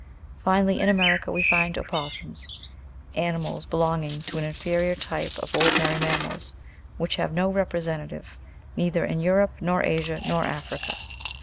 Finally, in America, we find opossums, animals belong ing to an inferior type of ordinary mammals, which have no representative, neither in Europe, nor Asia, nor Africa.